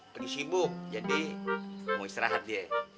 pagi sibuk jadi mau istirahat ya